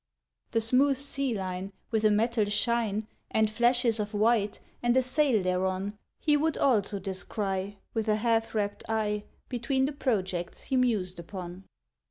The smooth sea line With a metal shine, And flashes of white, and a sail thereon, He would also descry With a half wrapt eye Between the projects he mused upon.